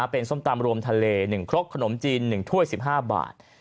เป็นส้มตำรวมทะเล๑ครกขนมจีน๑ถ้วย๑๕บาท